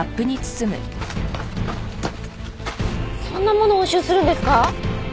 そんなもの押収するんですか？